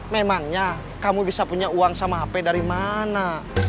memangnya kamu bisa punya uang sama hp dari mana